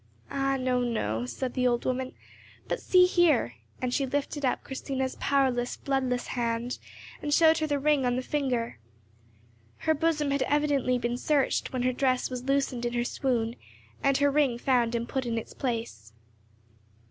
"Ah, no, no," said the old woman; "but see here," and she lifted up Christina's powerless, bloodless hand, and showed her the ring on the finger. Her bosom had been evidently searched when her dress was loosened in her swoon, and her ring found and put in its place.